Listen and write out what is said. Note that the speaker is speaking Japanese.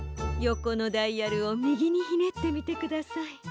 よこのダイヤルをみぎにひねってみてください。